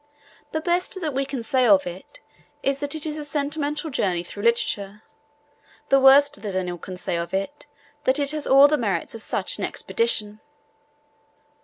The best that we can say of it is that it is a Sentimental Journey through Literature, the worst that any one could say of it is that it has all the merits of such an expedition.